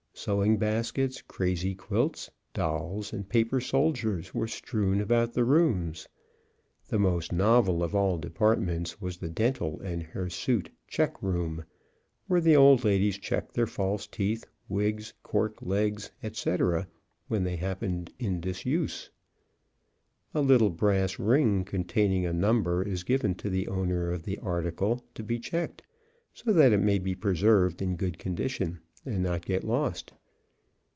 Sewing baskets, crazy quilts, dolls, and paper soldiers were strewn about the rooms. The most novel of all departments was the dental and hirsute Check Room, where the old ladies checked their false teeth, wigs, cork legs, etc., when they happened in disuse. A little brass ring containing a number is given the owner of the article to be checked, so that it may be preserved in good condition, and not get lost.